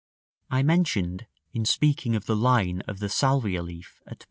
§ XII. I mentioned, in speaking of the line of the salvia leaf at p.